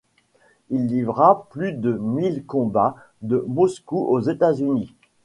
Il livra plus de mille combats de Moscou aux États-Unis.